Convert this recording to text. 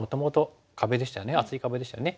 厚い壁でしたよね。